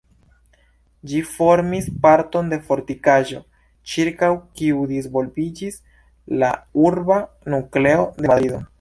Ĝi formis parton de fortikaĵo, ĉirkaŭ kiu disvolviĝis la urba nukleo de Madrido.